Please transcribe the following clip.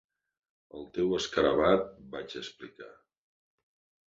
"El teu escarabat", vaig explicar.